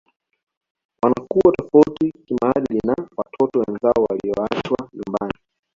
Wanakuwa tofauti kimaadili na watoto wenzao waliowaacha nyumbani